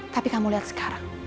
tapi kamu lihat sekarang